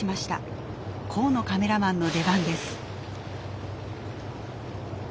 河野カメラマンの出番です。